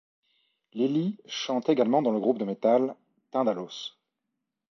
Lili chante également dans le groupe de Metal Tindalos.